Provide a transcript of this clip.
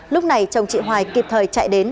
lúc này chồng chị hoài kịp thời chạy đến